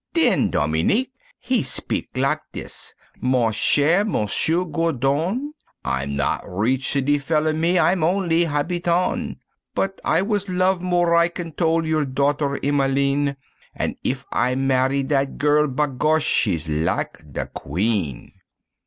Den Dominique he spik lak dis, "Mon cher M'sieur Gourdon I'm not riche city feller, me, I'm only habitant, But I was love more I can tole your daughter Emmeline, An' if I marry on dat girl, Bagosh! she's lak de Queen.